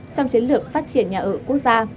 trong chiến lược phát triển nhà ở quốc gia